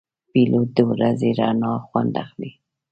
پیلوټ د ورځې رڼا خوند اخلي.